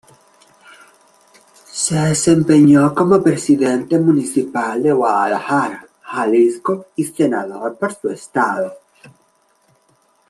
Se desempeñó como presidente municipal de Guadalajara, Jalisco y senador por su estado.